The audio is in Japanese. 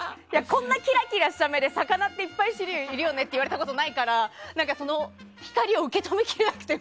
こんなキラキラした目で魚っていっぱい種類いるよねって言われたことないからその光を受け止めきれなくて。